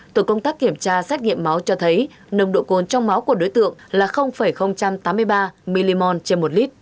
tổ công tác kiểm tra xét nghiệm máu cho thấy nồng độ cồn trong máu của đối tượng là tám mươi ba mmol trên một lít